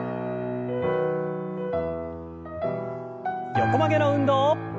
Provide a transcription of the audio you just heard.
横曲げの運動。